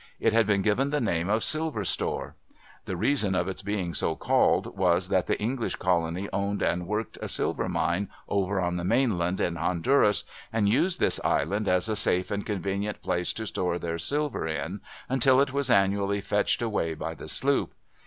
It had been given the name of Silver Store. The reason of its being so called, was, that the English colony owned and worked a silver mine over on the mainland, in Honduras, and used this Island as a safe and convenient place to store their silver in, until it was annually fetched away by the sloop.